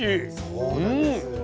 そうなんです。